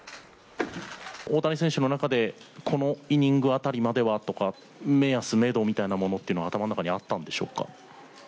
大谷選手の中で、このイニング辺りまではとか目安、めどみたいなものは頭の中にあったんでしょうか？